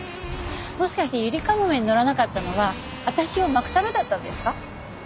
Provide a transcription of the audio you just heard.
もしかしてゆりかもめに乗らなかったのは私をまくためだったんですか？